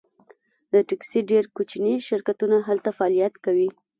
د ټکسي ډیر کوچني شرکتونه هلته فعالیت کوي